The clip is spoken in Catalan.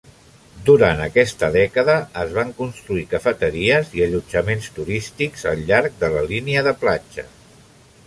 Durant aquesta dècada, es van construir cafeteries i allotjaments turístics al llarg de la línia de platja.